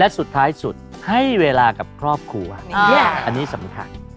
และสุดท้ายสุดให้เวลากับครอบครัวอันนี้สำคัญ